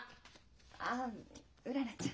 ああうららちゃん？